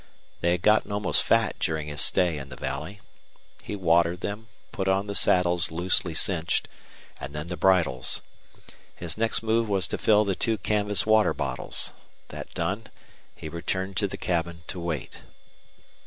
They had gotten almost fat during his stay in the valley. He watered them, put on the saddles loosely cinched, and then the bridles. His next move was to fill the two canvas water bottles. That done, he returned to the cabin to wait.